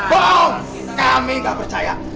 bok kami enggak percaya